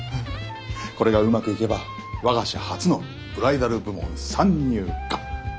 これがうまくいけば我が社初のブライダル部門参入か。